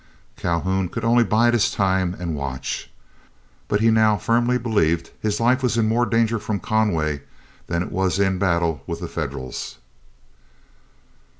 Calhoun could only bide his time and watch. But he now firmly believed his life was in more danger from Conway than it was in battle with the Federals.